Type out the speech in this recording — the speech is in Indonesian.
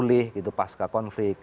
sudah mulai memulih pasca konflik